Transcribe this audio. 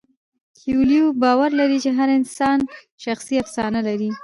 کویلیو باور لري هر انسان شخصي افسانه لري.